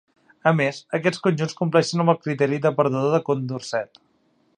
A més, aquests conjunts compleixen amb el criteri de perdedor de Condorcet.